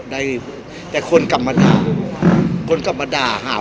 พี่อัดมาสองวันไม่มีใครรู้หรอก